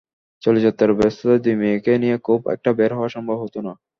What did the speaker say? চলচ্চিত্রের ব্যস্ততায় দুই মেয়েকে নিয়ে খুব একটা বের হওয়া সম্ভব হতো না।